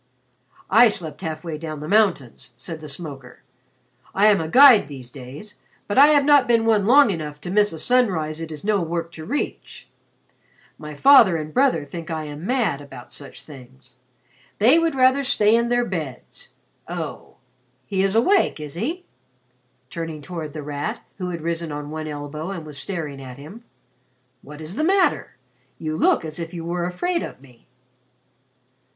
"I slept half way down the mountains," said the smoker. "I am a guide in these days, but I have not been one long enough to miss a sunrise it is no work to reach. My father and brother think I am mad about such things. They would rather stay in their beds. Oh! he is awake, is he?" turning toward The Rat, who had risen on one elbow and was staring at him. "What is the matter? You look as if you were afraid of me."